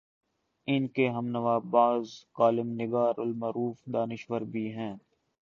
ان کے ہم نوا بعض کالم نگار المعروف دانش ور بھی ہیں۔